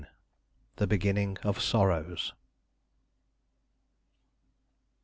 THE BEGINNING OF SORROWS.